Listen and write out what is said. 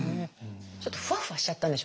ちょっとふわふわしちゃったんでしょうね。